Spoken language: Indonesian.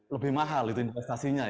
lebih mahal itu investasinya